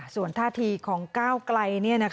ส่วนท่าทีของก้าวไกล